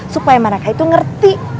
supaya mereka itu ngerti